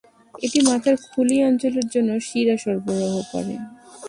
এটি মাথার খুলি অঞ্চলের জন্য শিরা সরবরাহ করে।